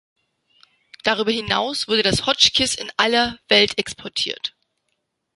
Darüber hinaus wurde das Hotchkiss in alle Welt exportiert.